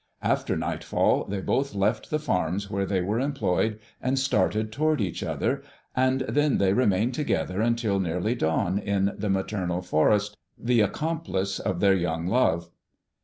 After nightfall they both left the farms where they were employed and started toward each other; and then they remained together until nearly dawn in the maternal forest, the accomplice of their young love.